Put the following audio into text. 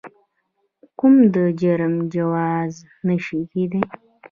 قوم د جرم جواز نه شي کېدای.